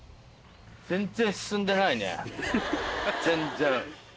全然。